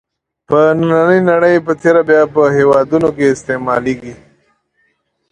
په نننۍ نړۍ په تېره بیا په هېوادونو کې استعمالېږي.